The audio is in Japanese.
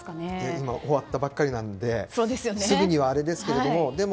今、終わったばかりなのですぐにはあれですけれども。